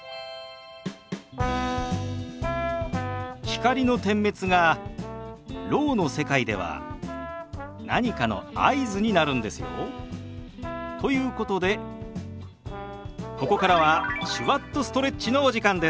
光の点滅がろうの世界では何かの合図になるんですよ。ということでここからは「手話っとストレッチ」のお時間です。